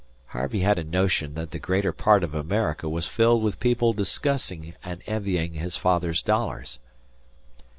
Harvey had a notion that the greater part of America was filled with people discussing and envying his father's dollars.